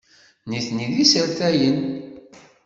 Nitni d isertayen.